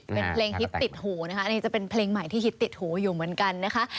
เป็นเพลงฮิตติดหูนะคะอันนี้จะเป็นเพลงใหม่ที่ฮิตติดหูอยู่เหมือนกันนะคะ